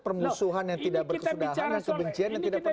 permusuhan yang tidak berkesudahan kebencian yang tidak penarik